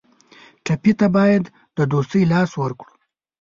ټپي ته باید د دوستۍ لاس ورکړو.